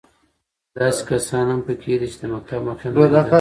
داسې کسان هم په کې دي چې د مکتب مخ یې نه دی لیدلی.